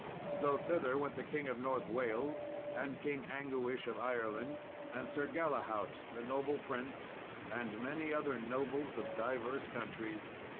So thither went the King of North Wales, and King Anguish of Ireland, and Sir Galahaut the noble prince, and many other nobles of divers countries.